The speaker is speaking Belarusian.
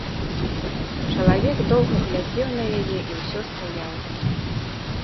Чалавек доўга глядзеў на яе і ўсё стаяў.